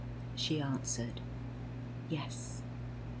" She answered, u Yes."